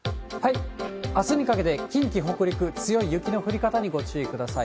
あすにかけて、近畿、北陸、強い雪の降り方にご注意ください。